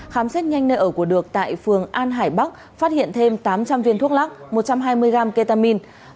khám xét nhanh nơi ở của được tại phường an hải bắc phát hiện thêm tám trăm linh viên thuốc lắc một trăm hai mươi gram ketamine